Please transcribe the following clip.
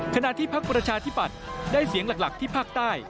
ขณะที่พักประชาธิปัตย์ได้เสียงหลักที่ภาคใต้